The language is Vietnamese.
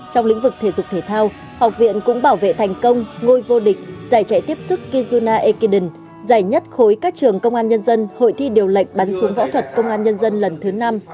trong lĩnh vực thể dục thể thao học viện cũng bảo vệ thành công ngôi vô địch giải chạy tiếp sức kizuna ekiden giải nhất khối các trường công an nhân dân hội thi điều lệnh bắn súng võ thuật công an nhân dân lần thứ năm